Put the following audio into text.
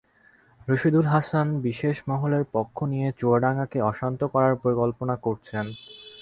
রশীদুল হাসান বিশেষ মহলের পক্ষ নিয়ে চুয়াডাঙ্গাকে অশান্ত করার পরিকল্পনা করছেন।